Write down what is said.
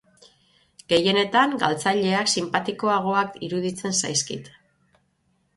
Gehienetan galtzaileak sinpatikoagoak iruditzen zaizkit.